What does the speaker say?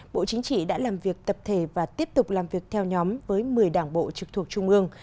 bộ chính trị đã làm việc tập thể và tiếp tục làm việc theo nhóm với một mươi đảng bộ trực thuộc trung ương